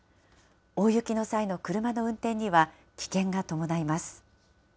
大雪の際の車の運転には、危険が伴います。